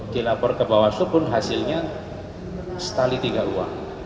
dilapor ke bawaslu pun hasilnya setali tiga uang